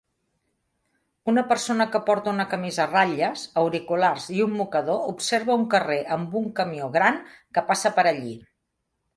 Una persona que porta una camisa a ratlles, auriculars i un mocador observa un carrer amb un camió gran que passa per allí